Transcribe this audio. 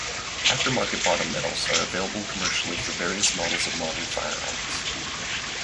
Aftermarket bottom metals are available commercially for various models of modern firearms.